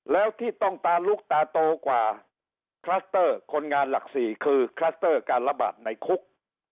แล้วที่ต้องตาลุกตาโตกว่าคลัสเตอร์คนงานหลัก๔คือคลัสเตอร์การระบาดในคุก